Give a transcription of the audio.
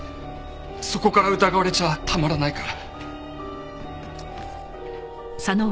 そこから疑われちゃたまらないから。